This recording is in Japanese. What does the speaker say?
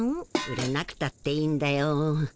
売れなくたっていいんだよ。